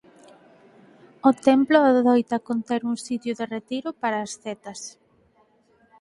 O templo adoita conter un sitio de retiro para ascetas.